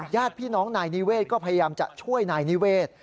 ญาติพี่น้องนายนิเวศก็พยายามจะช่วยนายนิเวศ